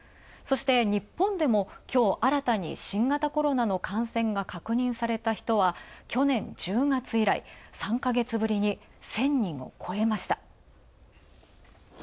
そして日本でも、今日新たに新型コロナの感染が確認された人は去年１０月以来、３か月ぶりに１０００人を超えました。